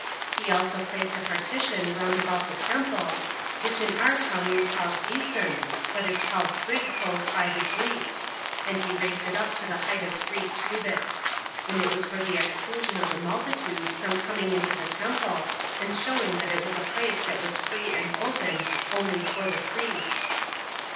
He also placed a partition round about the temple, which in our tongue we call Gison, but it is called Thrigcos by the Greeks, and he raised it up to the height of three cubits; and it was for the exclusion of the multitude from coming into the temple, and showing that it was a place that was free and open only for the priests.